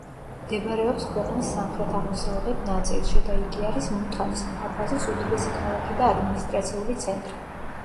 მდებარეობს ქვეყნის სამხრეთ-აღმოსავლეთ ნაწილში და იგი არის მუთანის მუჰაფაზის უდიდესი ქალაქი და ადმინისტრაციული ცენტრი.